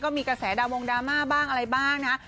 มีกระแสดาวงดราม่าบ้างอะไรบ้างนะฮะ